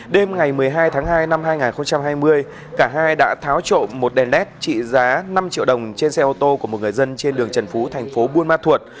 đêm ngày một mươi hai tháng hai năm hai nghìn hai mươi cả hai đã tháo trộm một đèn led trị giá năm triệu đồng trên xe ô tô của một người dân trên đường trần phú thành phố buôn ma thuột